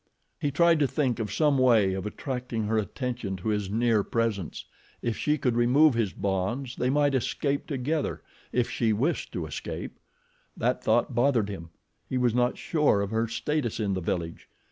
He tried to think of some way of attracting her attention to his near presence. If she could remove his bonds they might escape together—if she wished to escape. That thought bothered him. He was not sure of her status in the village.